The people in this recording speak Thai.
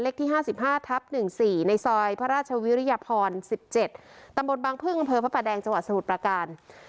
เล็กที่๕๕ทับ๑๔ในซอยพระราชวิริยพร๑๗ตำรวจบางพลพพแดงจสมุทรประการ